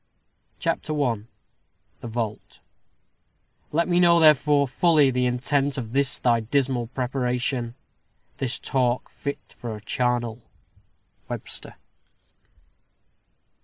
_ CHAPTER I THE VAULT Let me know, therefore, fully the intent Of this thy dismal preparation This talk fit for a charnel. WEBSTER.